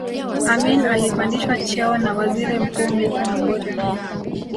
amin alipandishwa cheo na waziri mkuu milton obote